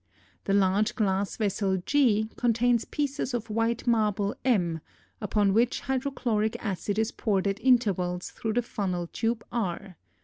The large glass vessel G contains pieces of white marble M upon which hydrochloric acid is poured at intervals through the funnel tube R.